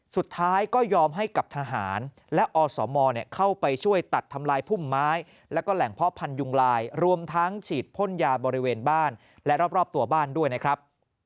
สุดท้ายก็ยอมให้กับทหารและอสมเข้าไปช่วยตัดทำลายพุ่มไม้แล้วก็แหล่งเพาะพันธุยุงลายรวมทั้งฉีดพ่นยาบริเวณบ้านและรอบตัวบ้านด้วยนะครับ